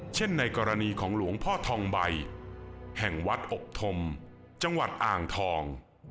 ในกรณีของหลวงพ่อทองใบแห่งวัดอบธมจังหวัดอ่างทอง